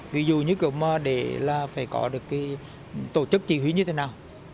ví dụ như kiểu mà để là phải có được cái tổ chức chỉ huy như thế nào